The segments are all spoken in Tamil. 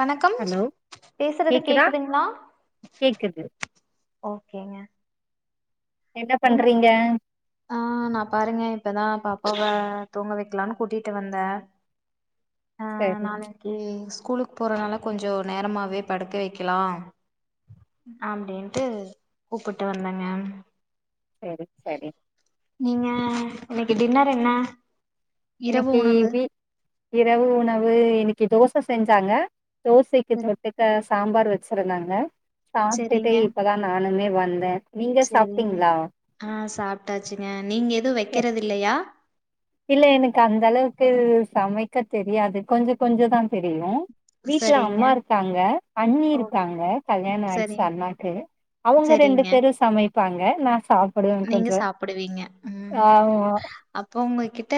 வணக்கம் ஹலோ பேசுறது கேக்குதா கேக்குதுங்ளா கேக்குது ஓகேங்க என்ன ஆ நா பாருங்க இப்பதா பாப் போக தூங்க வெக்கெலான்னு கூட்டிட்டு வந்தே ஆ சரி நாளைக்கி ஸ்கூலுக் போறதுனால கொஞ்சோ நேரமாவே படுக்க வைக்கலா அப்டின்ட்டு கூப்புட்டு வந்தேங்க செரி செரி நீங்க இன்னைக்கி டின்னர் என்ன இரவு இன்னைக்கி உணவு வீட் இரவு உணவு எனக் தோ தோச செஞ்சாங்க தோசைக்கு சரி தொட்டுக்க சாம்பார் வச்சுருந்தாங்க சாப்டுட்டே இப்பதா நானுமே வந் வந்தே நீங்க செரி சாப்ட்டீங்களா ஆ சாப்ட்டாச்சுங்க நீங்க எது வெக் வைக்கிறதில்லயா இல்ல எனக்கு அந்த அளவுக்கு சமைக்க தெரியாது கொஞ்சோ கொஞ்ச தா தெரியு வீட்ல சரிங்க அம்மா இருக்காங்க அண்ணி ஓ இருக்காங்க கல்யாணோ ஆச்சு சரிங் அண்ணாக்கு அவுங்க ரெண்டு சரிங்க பேரு சமைப் ப்பாங்க நா சாப்பிடுவே நீங்க கொஞ்சோ சாப்புடுவீங்க ம் ஆ அப்ப உங்க கிட் கிட்ட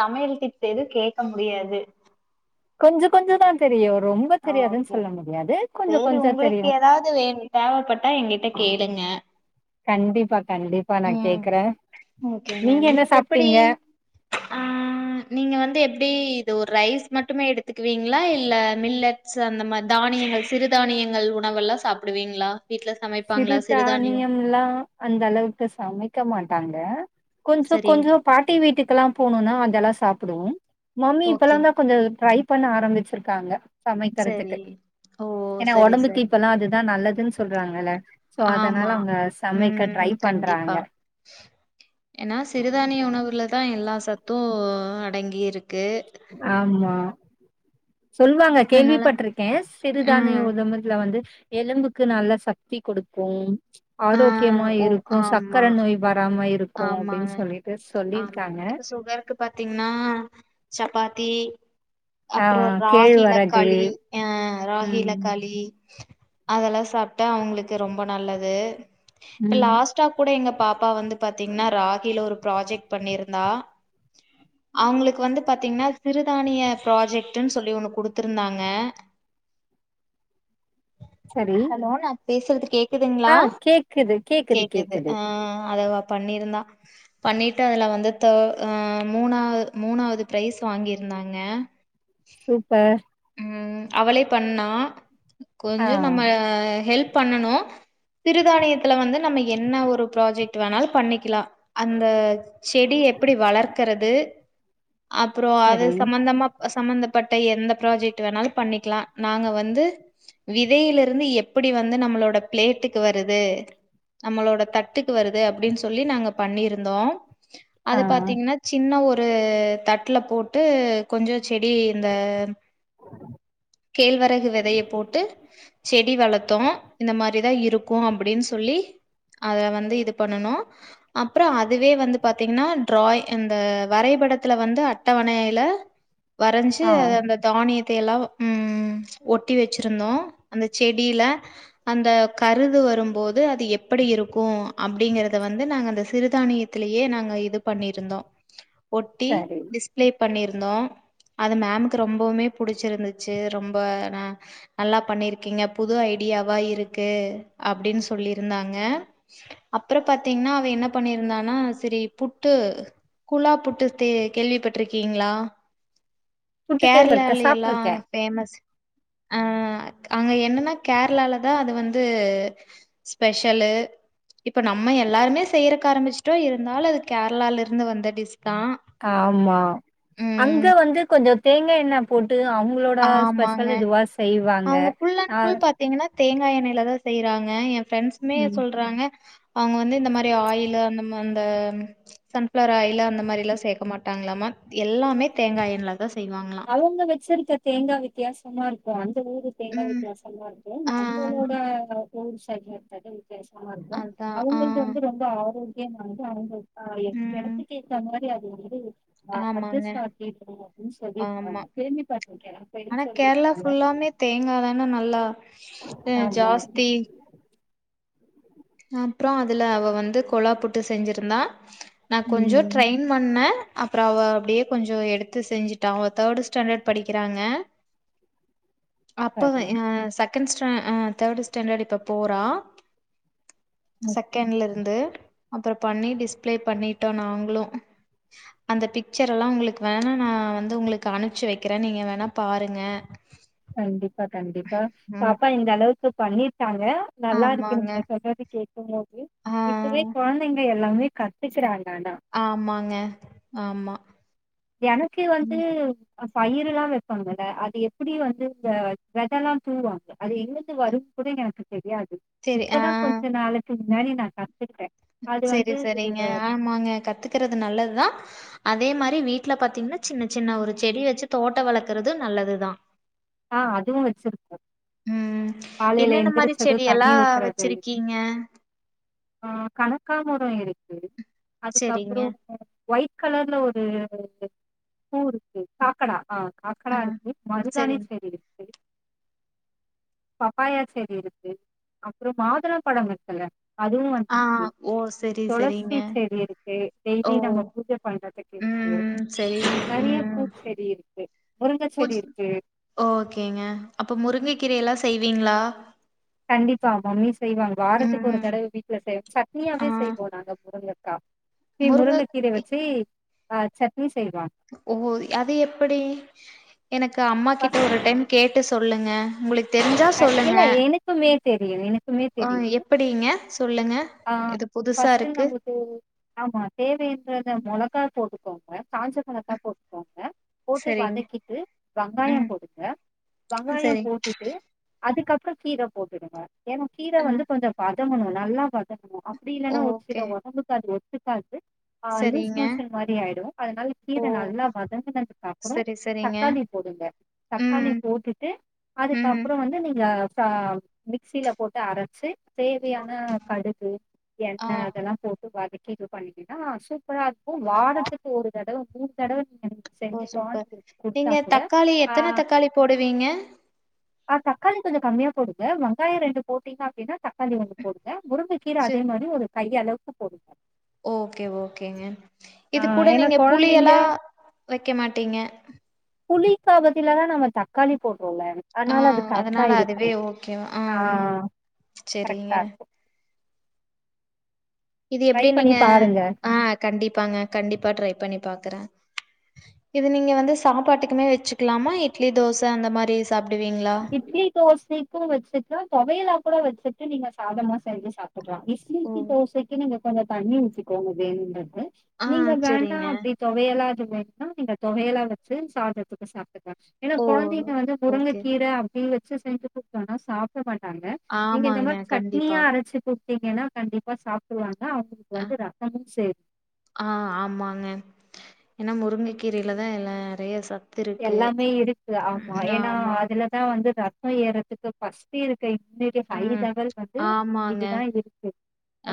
சமையல் டிப்ஸ் எதுவு கேக்க முடியாது கொஞ்ச கொஞ்சதா தெரியு ரொம்ப ஆ தெரியாதுன்னு ஓகே சொல்ல முடியாது கொஞ்ச சேரி கொஞ்ச தெரியு உங்களுக்கு எதாவது வேண் தேவப்பட்டா எங்கிட்ட கேளுங்க கண்டிப்பா கண்டிப்பா நா ம் கேக்குறே ஓக்கேங்க என்ன நீங்க எப்டி சாப்ட்டீங்க ஆ நீங்க வந்து எப்டி இந்த ஒரு ரைஸ் மட்டுமே எடுத்துக்குவீங்களா இல்ல மில்லட் நட்ஸ் அந்த மாரி தானியங்கள் சிறுதானியங்கள் உணவு எல்லா சாப்டுவீங்களா வீட்ல சிறு சமைப்பாங்களா சிறுதானியோ தானியம் எல்லா அந்த அளவுக்கு சமைக்க மாட் ட்டாங்க கொஞ்ச சரி கொஞ்ச பாட்டி வீட்டுக்கெல்லா போனணுனா அதெல்லாஸ் சாப்பிடுவோ மம்மி ஓகே இப்பல்லாந்தா கொஞ்ச ட்ரை பண்ண ஆரம்பிச்சிருக்காங்க சமைக்கறத்துக்கு சரி ஓ ஏன்னா சரி ஒடம்புக்கு சரி இப்பல்லா அதுதா நல்லதுன் சொல்றாங்க இல்ல ஆமா உம் பண்றாங்க கண்டிப்பா ஏன்னா சிறுதானிய உணவுலதா இப் எல்லா சத்து அடங்கி இருக்கு ஆம்மா சொல்வாங்க அதனால கேள்விப்பட்ருக்கே சிறுதானிய ம் உதம்பதுல வந்து எலும்புக்கு நல்ல சக்தி கொடுக்கும் ஆ ஆரோக்கியமா ஓ இருக்கு சக்கர ஆமா நோய் வராம இருக்கு அப்டின்னு ஆமாங்க சொல்லிட்டு ஆமா சொல்லிருக்காங்க இப்ப சுகருக்கு தி அப்புற ராகில கேழ்வரகு களி ஆ ராகில ம் களி அதெல்லா சாப்ட்டா அவுங்களுக்கு ரொம்ப நல்லது இப்ப ம் லாஸ்ட்டா கூட எங்கப் ப்பா வந்து பாத்தீங்ன்னா ராகில ஒரு ப்ராஜெக்ட் பண்ணிருந்தா அவங்களுக்கு வந்து பாத்தீங்ன்னா சிறுதானிய ப்ராஜெக்ட்ன்னு சொல்லி ஒண்ணு குடுத்துருந்தாங்க சரி. ஹலோ நா பேசுறது கேக் க்குதுங்ளா க்குது கேக்குது கேக்குது அதுல பண்ணிருந்தா பண்ணிட்டு அதுல வந்து தே அ மூணாவ மூணாவுது பிரைஸ் வாங்கிருந்தாங்க சூப்பர் உம் அவளே பண்ணா ஆ கொஞ்ச நம்ம ஹெல்ப் பண்ணுனோ சிறுதானியத்துல வந்து நம்ம என்ன ஒரு ப்ராஜெக்ட் வேணாலு பண்ணிக்கலா அந்த செடி எப்படி வளர்க்கிறது அப்புற அது சரி. சம்பந்தமா சம்பந்தப்பட்ட எந்த ப்ராஜெக்ட் வேணாலு பண்ணிக்லா நாங்க வந்து விதையில இருந்து எப்படி வந்து நம்மளோட பிளேட்டுக்கு வருது நம்மளோட தட்டுக்கு வருது அப்படின்னு சொல்லி நாங்க பண்ணிருந்தோ ஆ அத பாத்தீங்கன்னா சின்ன ஒரு ஒரு தட்டுல போட்டு கொஞ்ச செடி இந்த கேழ்வரகு வெதய போட்டு செடி வளத்தோ இந்த மாரிதா இருக்கு அப்படின்னு சொல்லி அத வந்து இது பண்ணுணோ அப்புற அதுவே வந்து பாத்தீங்கன்னா டிராய் அந்த வரைபடத்துல வந்து அட்டவணையில வரைஞ்சு ஆ அ அந்த தானியத்தைய எல்லாம் உஹம் ஒட்டி வச்சிருந்தோம் அந்த செடியில அந்த கருது வரும்போது அது எப்படி இருக்கும் அப்படிங்கறத வந்து நாங்க அந்த சிறுதானியத்திலயே நாங்க இது பண்ணிருந்தோம் ஒட்டி சரி. டிஸ்பிளே பண்ணிரு இருந்தோ அது மேமுக்கு ரொம் ரொம்பவுமே புடிச்சிருந்துச்சு ரொம்ப ந நல்லா பண்ணிருக்கீங்க புது ஐடியாவா இருக்கு அப்டின்னு சொல்லியிருந்தாங்க அப்புறோ பாத்தீங்கன்னா அவ என்ன பண்ணிருந்தானா செரி புட்டு குழா புட்டு கேள்விப்பட்டிருக்கீங்களா புட்டு கேரளால கேள்விப்பட்ருக்கேன் எல்லாம் சாப்ட்ருக்கேன். ஃபேமஸ் அ அங்க என்னன்னா கேரளாலதா அது வந்து ஸ்பெஷலு இப்ப நம்ம எல்லாருமே செய்யறக்க ஆரம்பிச்சுட்டோ இருந்தாலு அது கேரளால இருந்து வந்த டிஷ் ஆமா அங்க ம் வந்து கொஞ்சோ தேங்காய் எண்ணெ போட் அவுங்களோட ஆமாங்க ஸ்பெஷல் இதுவா செய்வாங்க அவங்க ஃபுல் அண்ட் அ ஃபுல் பாத்தீங்கன்னா தேங்கா எண்ணெல தா செய்யறாங்க ஃபிரெண்ட்ஸுமே ம். சொல்றாங்க அவுங்க வந்து இந்த மாரி ஆயிலு அந்த அந்த சன்ஃப்ளவர் ஆயிலு அந்த மாரியெல்லாம் சேர்க்க மாட்டாங்களாமா எல்லாமே தேங்கா எண்ணெ தா செய்வாங்களா கலந்து வச்சிரிக்கே தேங்கா வித்தியாசமா இருக்கு அ தேங்கா ம் வித்தியாசமா இருக்கு ஆ அவுங்களோட உ ஷாிேது [unintelligible] வேஷமா இருப்பே அதான். ஆ. அவுங்களுக்கு வந்து ரொம்ப ஆரோக் [unintelligible] ஆ ம். எடத்துக்கேத்த மாரி [unintelligible] ஆ அத்த ஆமாங்க. ச ச [unintelligible] ஆமா ஆனா கேரளா சொல்லிருக்காங்க ஃபுல்லாமே தேங்கா தான நல்லா ஆமா ஜாஸ்தி அப்புறோ அதுல அவ வந்து கொழா புட்டு செஞ்சிருந்தா நான் கொஞ்சோ உம் ட்ரெயின் பண்ணே அப்றோ அவ அப்டியே கொஞ்சோ எடுத்து செஞ்சுட்டா அவ தேர்டு ஸ்டண்டர்ட் படிக்கிறாங்க அப்ப சரி அ செகண்ட் ஸ்ட அ அ தேர்ட் ஸ்டண்டர்ட் இப்ப போறா ஓகே செகண்ட்ல இருந்து அப்றோ பண்ணி டிஸ்பிளே பண்ணிட்டோ நாங்ளு அந்த பிக்சர்ல்லா உங்ளுக்கு வேணா நா வந்து உங்களுக்கு அனுப்பச்சு வைக்கிறே நீங்க வேணா பாருங்க கண்டிப் பா கண்டிப்பா ம். பாப்பா இந்த அளவுக்கு பண்ணிர் காங்க நல்லா இருக்கு ஆமாங்க. நீங்க சொல்றது கேக்கும்போது ஆ. இப்பவே கொழந்தைங்க எல்லா ல்லாமே கத் ஆமாங்க ஆமா எனக்கு வந்து ம். பயிறுல்லா வெப்பாங்கல அது எப்டி வந்து இந்த வெதெல்லா தூவாங்க அது எழுந்து வரு கூட எனக்கு தெரியாது சரி. ஆ. இப்பதா கொஞ்ச நாளை முன்னாடி நா கா சரி சரிங்க ஆமாங்க கத்துக்கறது நல்லதுதா அதே மாரி வீட்ல பாத்தீங்கனா சின்ன சின்ன ஒரு செடி வச்சு தோட்டோ வளக்குறது நல்லதுதா ஆ அதுவு வச்சிருக்கோ ம். காலைல என்னென்ன மாரி எந்திரிச்சது தண்ணி செடியெல்லாம் ஊத்துறது வச்சிருக்கீங்க? ஆ கலக்காமரோ இருக்கு சரிங்க. அதுக்கப்றோ ஒயிட் கலர்ல ஒரு பூ இருக்கு சாக்கடா ஆ காக்கடா ஆ. இருக்கு மருதானி சரிங்க. சரி இரு பப்பாயா செடி இருக்கு அப்புறோ மாதுளம்பழோ இருக்குல்ல அதுவு ஆ. வந்துருக்கு ஓ! சரி, தொளசி சரிங்க. செடி இருக்கு ஓ! டெய்லி நம்ம பூஜ பண்றதுக்கு இருக்கு ம். சரி. நெறைய ம். பூச்செடி இருக்கு முருங்க செடி பூச் இருக்கு ஓகேங்க அப்ப முருங்கை கீர எல்லா செய்வீங்ளா கண்டிப்பா மம்மீஸ் செய்வாங்க வாரத்துக்கு ஒரு ம். தடவ வீட்ல செய்வோ ஆ. சட்னியாவே செய்வோ நாங்க ப [unintelligible] ஆ நீ முருங்க கீரய வச்சி ஆ சர் ஓ அது எப்படி எனக்கு அம்மா கிட்ட ஃபர்ஸ்ட் ஒரு டைம் கே டு சொல்லுங்க உங்ளுக்கு இல்ல எனக்குமே தெரியும் எனக்குமே ஆ தெரியும் எப்படிங்க சொல்லுங்க இது புதுசா ஆஹ்ஸ இருக்கு நமக்கு ஆமா தேவைன்றத மிளகா போட்டு க்காங்க காஞ்சத்தனத்தா போட்டுக்காங்க போட்டு சரிங்க வதக்கிட்டு வெங்காயம் ம் போடுங்க வெங்காயம் சரி போட்டுட்டு அதுக்கப்புறம் கீரை போட்டுடுங்க ஏன்ன கீரை வந்து ம் கொஞ்சம் பா பண்ணும் நல்லா பட்டக்கணும் அப்படி இல்லைன்னா ஒரு சில ஓகே உடம்புக்கு அது சக்க னாலீ சரிங்க ஓ நல்லாங்கது சரி சரிங்க தக்காளி போடு தாளி ம் போட்டுது ம் நீங்க மிக்சியில போட்டு அரைச்சு தேவையான கடுகு ஆ எண்ணெய் அதெல்லாம் போட்டு வதக்கிக்கு இது பண்ணிீன்னா சூப்பர் அா இருக்கும் வாரத்துக்கு ஒரு தடவை உ கட ஓ சூப்பர் நீங்க தக்காளி ஆ எத்தனை தக்காளி போடுவீங்க ஆ் தக்காளி கொஞ்சம் கம்மியா போடுங்க வெங்காயம் ரெண்டு போட்டீங்க அப்படின்னா தக்காளி வந்து போடுங்க முருங்கக் கீரை அதே சரி மாதிரி ஒரு கை அளவுக்கு உப்பு போட்டு ஓகே ஓகேங்க ஆ இது கூட ஏன்னா நீங்க புளிய கொழந்தைங்க எல்லாம் வைக்க மாட்டீங்க புளி காபத்தில தான் நம்ம தக்காளி போட்டு போல ஆ ஆனால அது கரெக்டா அதனால இருக்கு அதுவே ஓகேவ ஆ ஆம் சரிங்க கரெக்டா இருக்கு இது ட்ரை எப்படி பண்ணி நீங்க பாருங்க ஆஹ் கண்டிப்பாங்க கண்டிப்பா ட்ரை பண்ணி பாக்குறேன் இது நீங்க வந்து சாப்பாட்டுக்குமே வச்சுக்கலாமா இட்லி தோசை அந்த மாதிரி இட்லி தோசைக்கும் வச்சுக்கலான் தொவையலா கூட வச்சுக்கலான் நீங்க சாதமா செஞ்சு சாப்பிடுறாம் ஓ! இட்லி தோசைக்கு நீங்க கொஞ்சம் தண்ணி ஊத்திக்கோங்க வேணும்னா ஆ நீங்க சரிங்க. வேண்டாம் அப்படி தொவையலாம் அது வேனா நீங்க தொவையலாம் வச்சு சாதத்துக்கு சாப்ப ஏன்னா ஓ! குழந்தைங்க வந்து உறங்கை ஓகே. ி வ சஞ்ச புக்கான சாப் ாங்க நீங்க இந்த ஆமாங்க. மாதிரி கண்டிப்பா. சட்னியா அரைச்சு ீங்கன்னா கண்டிப்பா சாப்பிடுவாங்க அவங்களுக்கு வந்து ரரசமும் சேரி ஆஹ் ஆமாங்க ஏன்னா முருங்கைக்கீரைலதான் எல்லாம் நிறைய சத் எல்லாமே இருக்கு ஆமா ஏன்னா ஆமா. அதுலதான் வந்து இப்ப ஏறதுக்கு பஸ்தி இரு இன்னைக்கி பைவ் ம். லெவல்கு வந்து ஆமாங்க. இதுதான் இருக்கு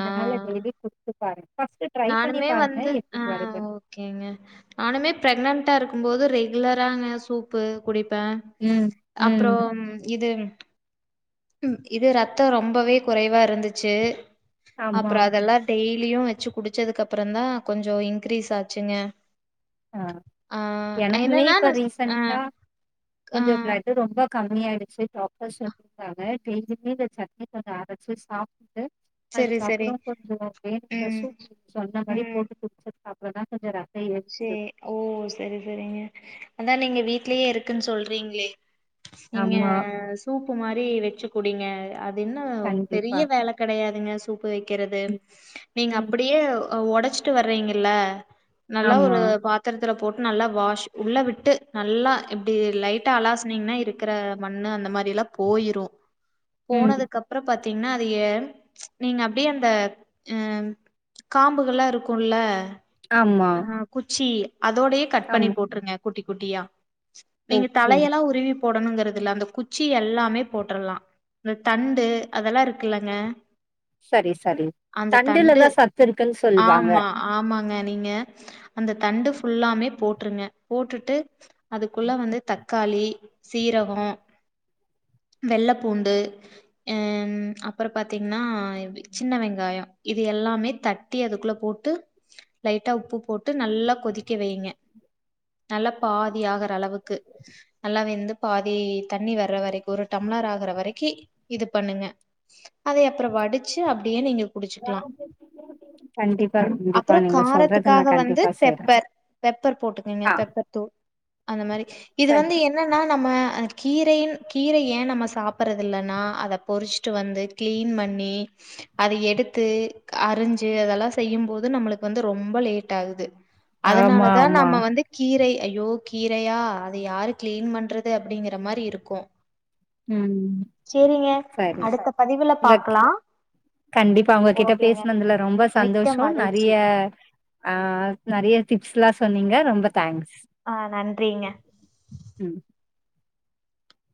ஆ. வெறி கொண்டு பாருங் நானுமே வந்து ஆஹ் ஓகேங்க நானுமே பிரெக்ணன்டா இருக்க க்கும் போது ரெகுலராங்க சூப்பு குடிப் ஃபேன் ம் ம் அப்றோம் இது இது ரத்தம் ரொம்பவே குறைவா இருந்துச்சு ஆமா அப்றோ அதெல்லா டெய் லியும் வச்சு குடுத் குடிச்சதுக்கு அப்புறம் தான் கொஞ்சோ இன்கிரீஸ் ஆச்சுங்க ஆ ஆ எனக்குமே என்னன்னா இப்ப நா ஆ ரீசன்ட்டா ஆ கொஞ்சோ பிளட் ரொம்ப கம்மியாயிடுச்சு டாக்டர் சொல்லிற்காங்க டெய்லியுமே இந்த சட்னி கொஞ்சோ அரச்சு சாப் டு செரி செரி அதுக்கப்றோ கொஞ்சமா வேணுங்குற ம் சூப் சொன்ன மாரியே ம் போட்டு குடிச்ச அப்பதா கொஞ்சோ ரத்தம் ஏ சே ஓ சரி சரிங்க அதான் நீங்க வீட் வீட்லயே இருக்குன்னு சொல்றீங்களே நீங்க ஆமா சூப்பு மாரி வச்சு குடிங்க அ து என்ன பெரிய கண்டிப்பா வேல கெடையாதுங்க சூப்பு வைக்கிறது ம் நீங்க ம் அப்டியே ஒடச்சுட்டு வற்றீங்கல்ல நல்லா ஒரு ஆமா பாத்திர துல போட்டு நல்லா வாஷ் உள்ள விட்டு நல்லா இப்டி லைட்டா அலாசனீங்கன்னா இருக்குற மண்ணு அந்த மாரில்லா போயிரும் ம் போனதுக்கு அப்றோ பாத் பாத்தீங்கன்னா எ ச் நீங்க அப்டியே அந்த ஆ காம்புகள்ல்லா இருக்குல்ல ஆமா ஆ குச்சி அதோடயே கட் பண்ணி ஆமா போட்டுருங்க குட்டி குட்டியா ச் நீங்க ஓகே தலையெல்லாம் உருவி போடணுங்குறது இல்ல அந்த குச்சி எல்லாமே போட்ரலாம் இந்த தண்டு அதெல்லாம் இருக்குல்லங்க சரி சரி அந்த தண்டுல தண்டு தான் சத்து இருக்குன் சொல்வாங்க ஆமா ஆமாங்க நீங்க அந்த தண்டு ஃபுல்லமே போட்டுருங்க போட்டுட்டு அதுக்குள்ள வந்து தக்காளி சீரகோ வெள்ளப்பூண்டு அ அப்றோ பாத்தீங்ன்னா சின்ன வெங்காயோ இது எல்லாமே தட்டி அதுக்குள்ள போட்டு லைட் டா‌ உப்பு போட் டு நல்லா கொதிக்க வைங்க நல்லா பாதி ஆகுற அளவுக்கு நல்லா வெந்து பாதி தண்ணி வர்ற வரைக்கு ஒரு டம்ளர் ஆகுற வரைக்கி இது பண்ணுங்க அதை அப்றோ வடிச்சு அப்டியே நீங்க குடிச்சுக்கலா கண்டிப்பா கண்டிப்பா அப்புறோ நீங்க சொல்றது நா காரத்துக்காக வந்து கண்டிப்பா செய்றே பெப்பர் பெப்பர் போட்டுக்குங்க பெப்பர் தூள் அந்த மாரி இது சரி வந்து என்னனா நம்ம அ கீரையிண் கீரை ஏன் நம்ம சாப்டுறது இல்லனா அத பொரிச்சுட்டு வந்து கிளீன் பண்ணி அத எடுத்து அறுஞ்சி அதெல்லா செய்யும் போது நம்முளுக்கு வந்து ரொம்ப லே ட்டாகுது அதனால ஆமா தான் ஆமா நம்ம வந்து கீரைய ஐயோ கீரையா அத யாரு கிளீன் பண்றது அப்டிங்குற மாரி இருக்கும் ம் அடுத்த பதிவுல சரிங்க பாக்கலா கண்டிப்பா உங்ககிட்ட ஓகேங்க பேசனதுல ரொம்ப மிக்க சந்தோஷோ நறைய மகிழ்ச்சி அ நறைய டிப்ஸ்லாம் சொன்னீங்க ரொம்ப தேங்க்ஸ் ஆ நன்றிங்க ம்